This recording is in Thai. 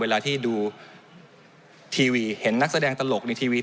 เวลาที่ดูทีวีเห็นนักแสดงตลกในทีวี